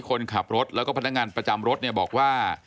คนขับรถแล้วก็พนักงานประจำรถเนี่ยบอกว่า